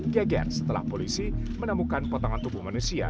geger setelah polisi menemukan potongan tubuh manusia